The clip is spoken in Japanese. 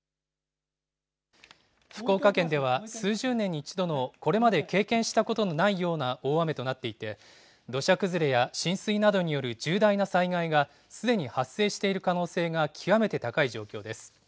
福岡県では数十年に一度のこれまで経験したことのないような大雨となっていて、土砂崩れや浸水などによる重大な災害がすでに発生している可能性が極めて高い状況です。